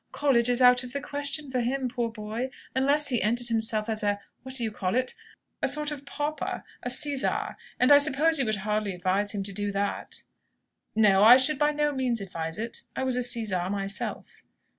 College is out of the question for him, poor boy, unless he entered himself as a what do you call it? A sort of pauper, a sizar. And I suppose you would hardly advise him to do that!" "No; I should by no means advise it. I was a sizar myself."